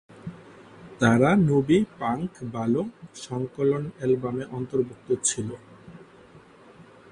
তারা "Novi punk ভাল" সংকলন অ্যালবামে অন্তর্ভুক্ত ছিল।